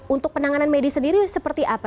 untuk penanganan medis sendiri seperti apa